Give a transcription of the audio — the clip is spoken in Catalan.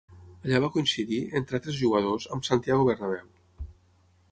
Allà va coincidir, entre altres jugadors, amb Santiago Bernabéu.